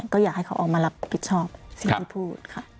ก็อยากให้เขาออกมารับผิดชอบสิ่งที่พูดค่ะ